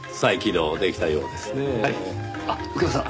あっ右京さん